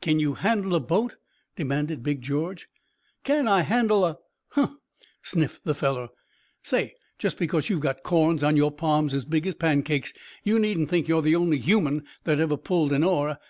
"Can you handle a boat?" demanded Big George. "Can I handle a Hunh!" sniffed the fellow. "Say, just because you've got corns on your palms as big as pancakes, you needn't think you're the only human that ever pulled an oar.